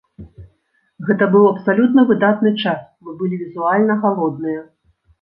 Гэта быў абсалютна выдатны час, мы былі візуальна галодныя!